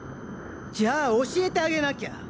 じゃあ教えてあげなきゃ。